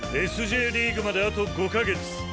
Ｓ／Ｊリーグまであと５カ月。